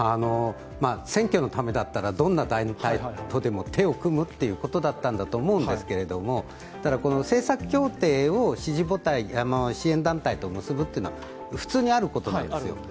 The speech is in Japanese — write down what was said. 選挙のためだったらどんな団体とでも手を組むということだったんですけれども、政策協定を支援団体と結ぶというのは普通にあることなんですよ。